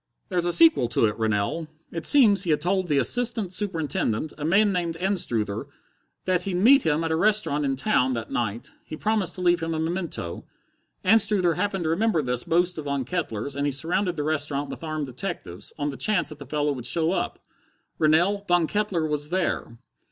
"There's a sequel to it, Rennell. It seems he had told the assistant superintendent, a man named Anstruther, that he'd meet him at a restaurant in town that night. He promised to leave him a memento. Anstruther happened to remember this boast of Von Kettler's, and he surrounded the restaurant with armed detectives, on the chance that the fellow would show up. Rennell, _Von Kettler was there!